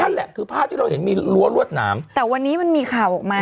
นั่นแหละคือภาพที่เราเห็นมีรั้วรวดหนามแต่วันนี้มันมีข่าวออกมา